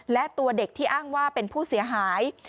และตัวเด็กที่อ้างว่าเป็นผู้เสียหาย